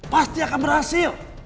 pasti akan berhasil